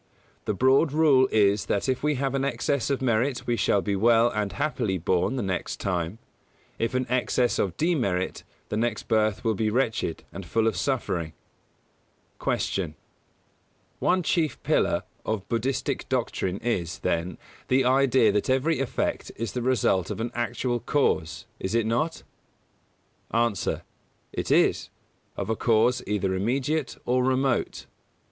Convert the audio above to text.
The broad rule is that if we have an excess of merit we shall be well and happily born the next time; if an excess of demerit, our next birth will be wretched and full of suffering. 136. Q. _One chief pillar of Buddhistic doctrine is, then, the idea that every effect is the result of an actual cause, is it not?_ A. It is; of a cause either immediate or remote.